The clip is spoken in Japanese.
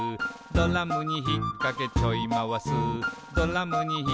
「ドラムにひっかけちょいまわす」